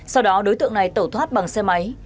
sau đó đối tượng này tẩu thoát bằng xe máy